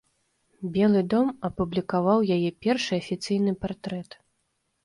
Белы дом апублікаваў яе першы афіцыйны партрэт.